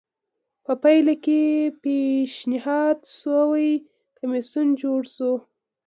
په پایله کې پېشنهاد شوی کمېسیون جوړ شو